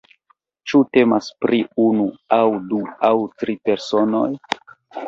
Ĉu temas pri unu aŭ du aŭ tri personoj?